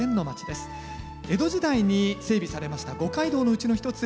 江戸時代に整備されました五街道のうちの一つ